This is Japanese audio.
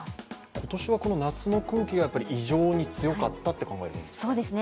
今年は夏の空気が異常に強かったと考えるんですか？